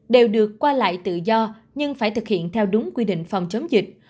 đều được qua lại tự do nhưng phải thực hiện theo đúng quy định phòng chống dịch